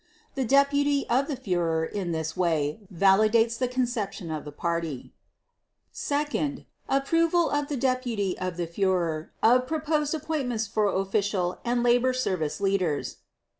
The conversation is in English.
The deputy of the Führer in this way validates the conception of the Party ... Second—approval of the deputy of the Führer of proposed appointments for official, and labor service leaders.